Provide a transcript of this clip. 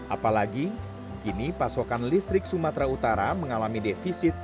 apalagi kini pasokan listrik sumatera utara mengalami defisit satu ratus lima puluh tujuh mw